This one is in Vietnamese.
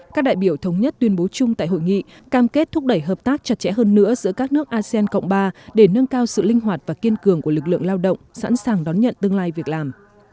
các đại biểu thống nhất tuyên bố chung tại hội nghị cam kết thúc đẩy hợp tác chặt chẽ hơn nữa giữa các nước asean cộng ba để nâng cao sự linh hoạt và kiên cường của lực lượng lao động sẵn sàng đón nhận tương lai việc làm